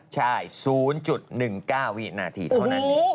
ใช่๐๑๙วินาทีเท่านั้นเอง